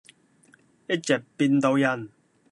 一直變到人。